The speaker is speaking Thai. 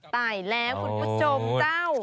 ตายแล้วคุณผู้ชมเจ้า